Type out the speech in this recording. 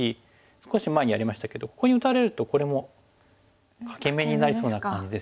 少し前にやりましたけどここに打たれるとこれも欠け眼になりそうな感じですよね。